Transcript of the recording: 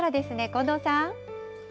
近藤さん。